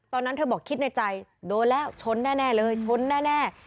ตอนนั้นเธอบอกคิดในใจโดนแล้วชนแน่เลยชนแน่